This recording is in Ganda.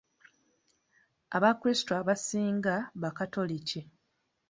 Abakrisito abasinga bakatoliki.